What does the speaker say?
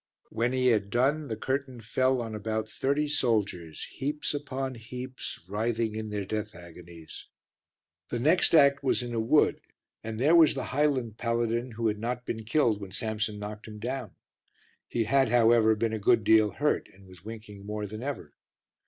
When he had done, the curtain fell on about thirty soldiers, heaps upon heaps, writhing in their death agonies. The next act was in a wood and there was the Highland paladin who had not been killed when Samson knocked him down; he had, however, been a good deal hurt and was winking more than ever.